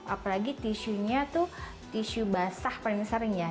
apalagi tisu nya tuh tisu basah paling sering ya